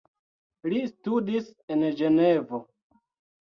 Li studis en Ĝenovo.